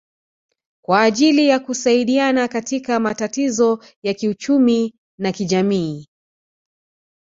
kwa ajili ya kusaidiana katika matatizo ya kiuchumi na kijamii